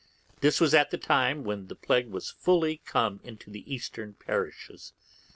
This was at that time when the plague was fully come into the eastern parishes.